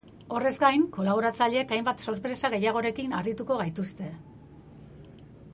Horrez gain, kolaboratzaileek hainbat sorpresa gehiagorekin harrituko gaituzte.